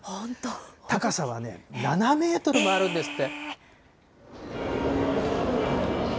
高さは７メートルもあるんですって。